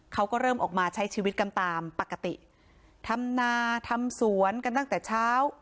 เขาก็เริ่มออกมาใช้ชีวิตกันตามปกติทำนาทำสวนกันตั้งแต่เช้า